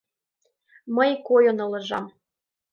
Мый койын ылыжам.